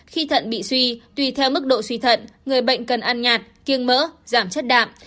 khi thận bị suy tùy theo mức độ suy thận người bệnh cần ăn nhạt kiêng mỡ giảm chất đạm